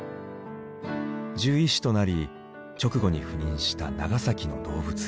獣医師となり直後に赴任した長崎の動物園。